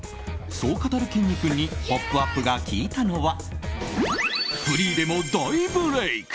そう語るきんに君に「ポップＵＰ！」が聞いたのはフリーでも大ブレーク！